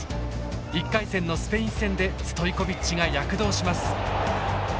１回戦のスペイン戦でストイコビッチが躍動します。